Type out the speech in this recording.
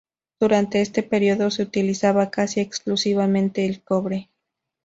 Durante este periodo se utilizaba casi exclusivamente el cobre.